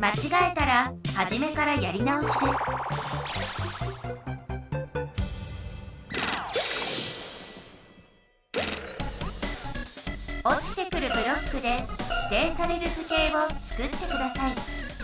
まちがえたらはじめからやり直しですおちてくるブロックで指定される図形をつくってください